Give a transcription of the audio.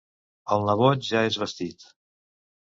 El nebot ja és vestit.